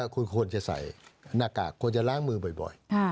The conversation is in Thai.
คุณควรจะใส่หน้ากากควรจะล้างมือบ่อย